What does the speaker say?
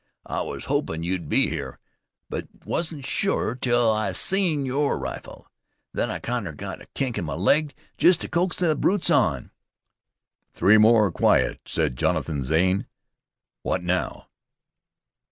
I was hopin' you'd be here; but wasn't sure till I'd seen your rifle. Then I kinder got a kink in my leg jest to coax the brutes on." "Three more quiet," said Jonathan Zane. "What now?"